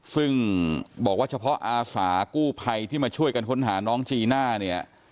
ซึ่งบอกว่าเฉพาะอาสากู้ภัยที่มาช่วยกันค้นหาน้องจีน่าเนี่ย